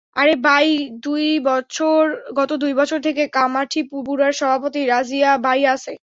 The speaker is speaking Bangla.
আরে বাই, গত দুই বছর থেকে কামাঠিপুরার সভাপতি রাজিয়া বাই আছে।